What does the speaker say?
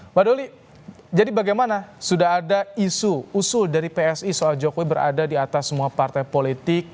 mbak doli jadi bagaimana sudah ada isu usul dari psi soal jokowi berada di atas semua partai politik